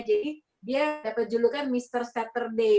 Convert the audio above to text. jadi dia dapet judukan mr saturday